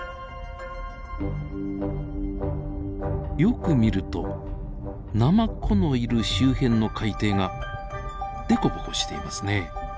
よく見るとナマコのいる周辺の海底が凸凹していますね。